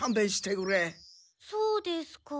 そうですか。